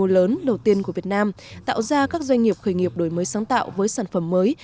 lớn đầu tiên của việt nam tạo ra các doanh nghiệp khởi nghiệp đổi mới sáng tạo với sản phẩm mới